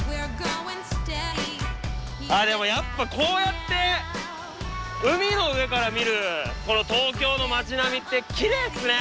ああでもやっぱこうやって海の上から見るこの東京の街並みってきれいですね。